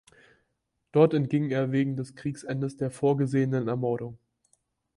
Dort entging er wegen des Kriegsendes der vorgesehenen Ermordung.